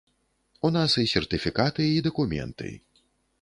У нас і сертыфікаты, і дакументы.